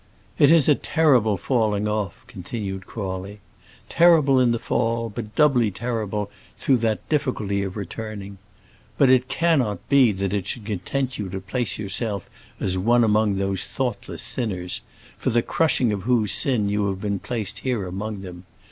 "It is a terrible falling off," continued Crawley: "terrible in the fall, but doubly terrible through that difficulty of returning. But it cannot be that it should content you to place yourself as one among those thoughtless sinners, for the crushing of whose sin you have been placed here among them.